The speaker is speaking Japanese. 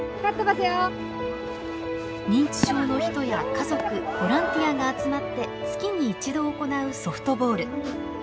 認知症の人や家族ボランティアが集まって月に一度行うソフトボール。